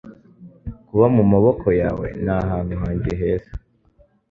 Kuba mu maboko yawe ni ahantu hanjye heza.